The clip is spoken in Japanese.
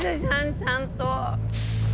ちゃんと。